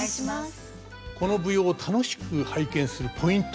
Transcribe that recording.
この舞踊を楽しく拝見するポイント